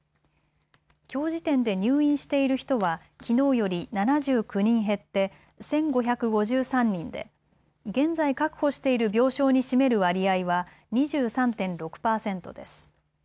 きょう時点で入院している人はきのうより７９人減って１５５３人で現在確保している病床に占める割合は２３．６％です。